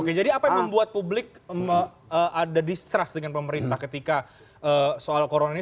oke jadi apa yang membuat publik ada distrust dengan pemerintah ketika soal corona ini